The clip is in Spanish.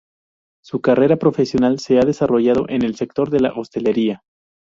Su carrera profesional se ha desarrollado en el sector de la hostelería.